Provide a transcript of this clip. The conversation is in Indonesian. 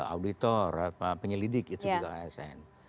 auditor penyelidik itu juga asn